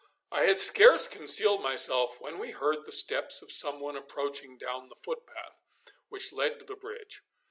I had scarce concealed myself when we heard the steps of some one approaching down the footpath which led to the bridge.